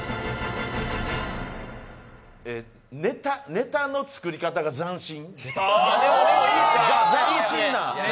ネタの作り方が斬新。